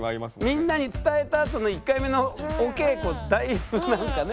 みんなに伝えたあとの１回目のお稽古だいぶなんかね